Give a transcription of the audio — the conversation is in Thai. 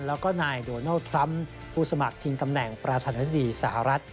แล้วก็นายโดนัลด์ทรัมป์ผู้สมัครชิงตำแหน่งประธานาธิบดีสหรัฐ